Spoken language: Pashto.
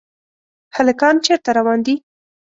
هلکان چېرته روان دي ؟